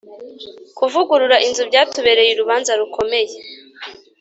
kuvugurura inzu byatubereye urubanza rukomeye.